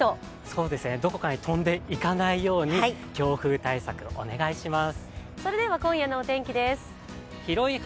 そうですね、どこかに飛んでいかないように強風対策、お願いします。